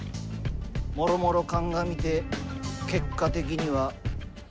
もろもろ鑑みて結果的にはバツだ。